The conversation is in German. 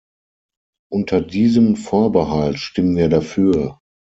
Unter diesem Vorbehalt stimmen wir dafür.